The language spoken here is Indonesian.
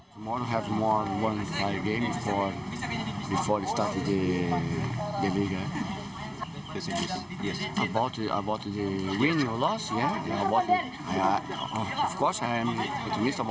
kemarin akan ada pertandingan pertandingan sebelum memulai perang